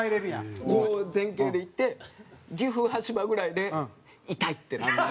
こう前傾でいって岐阜羽島ぐらいで「痛い」ってなる。